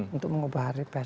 untuk mengubah hari pers